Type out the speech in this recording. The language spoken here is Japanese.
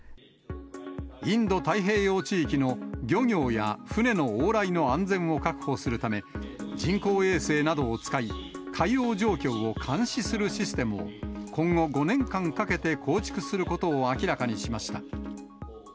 インド太平洋地域の漁業や船の往来の安全を確保するため、人工衛星などを使い、海洋状況を監視するシステムを、今後５年間かけて構築することを明らかにしました。